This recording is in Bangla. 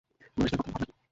কুরাইশদের বর্তমান ভাবনা কী?